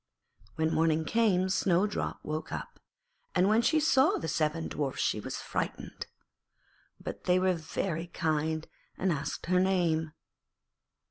When morning came Snowdrop woke up, and when she saw the seven Dwarfs she was frightened. But they were very kind and asked her name.